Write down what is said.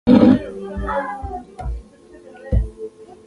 عصري تعلیم مهم دی ځکه چې د خوراکي امنیت په اړه پوهاوی ورکوي.